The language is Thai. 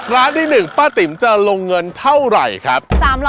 ร้านที่๑ป้าติ๋มจะลงเงินเท่าไหร่ครับ